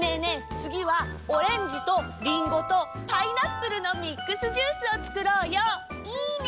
つぎはオレンジとリンゴとパイナップルのミックスジュースをつくろうよ。いいね！